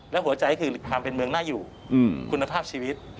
และหัวใจคือความเป็นเมืองน่าอยู่คุณภาพชีวิต